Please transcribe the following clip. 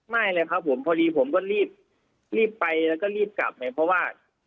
ไม่เลยครับผมพอดีผมก็รีบรีบไปแล้วก็รีบกลับไงเพราะว่า